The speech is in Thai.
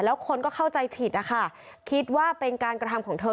แล้วคนก็เข้าใจผิดนะคะคิดว่าเป็นการกระทำของเธอ